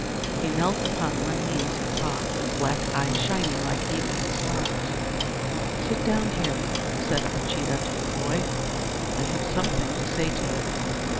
He knelt upon one knee as he talked, his black eyes shining like evening stars. "Sit down here," said Uncheedah to the boy; "I have something to say to you.